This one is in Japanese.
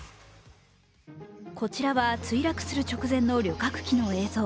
こちらは墜落する直前の旅客機の映像。